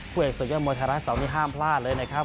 ผู้เอกสุดยอดมวลธรรมสาวนี้ห้ามพลาดเลยนะครับ